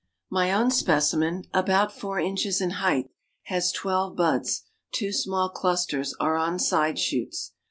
My own specimen, about four inches in height, has twelve buds; two small clusters are on side shoots.